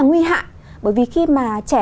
nguy hạn bởi vì khi mà trẻ